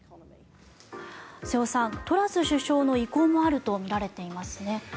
瀬尾さん、トラス首相の意向もあるとみられていますね。